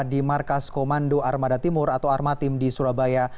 di markas komando armada timur atau armatim di surabaya